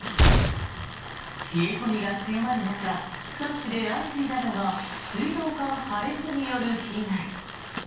冷え込みが強まる中各地で相次いだのが水道管破裂による被害。